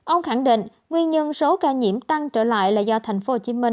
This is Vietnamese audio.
ông khẳng định nguyên nhân số ca nhiễm tăng trở lại là do tp hcm